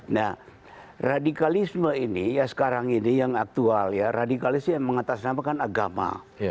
nah radikalisme ini ya sekarang ini yang aktual ya radikalis yang mengatasnamakan agama